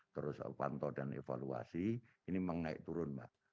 terus pantau dan evaluasi ini mengaik turun mbak